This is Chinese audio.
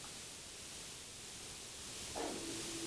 目前担任中华台北男子篮球代表队总教练。